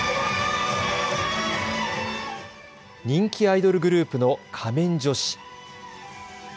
人気アイドルグループの仮面女子。